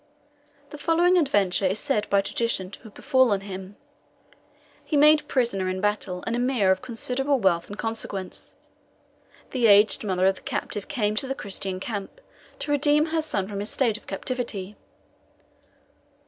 The following adventure is said by tradition to have befallen him: He made prisoner in battle an Emir of considerable wealth and consequence. The aged mother of the captive came to the Christian camp, to redeem her son from his state of captivity.